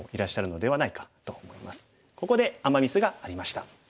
ここでアマ・ミスがありました。